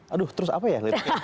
aduh terus apa ya